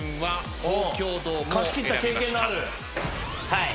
はい。